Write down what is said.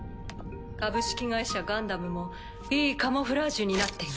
「株式会社ガンダム」もいいカモフラージュになっています。